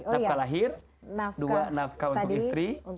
nafkah lahir dua nafkah untuk istri